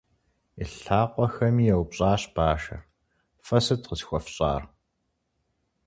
И лъакъуэхэми еупщӏащ бажэр: - Фэ сыт къысхуэфщӏар?